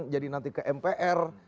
jadi nanti ke mpr